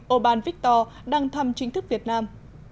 oban viktor đăng thăm chính thức việt nam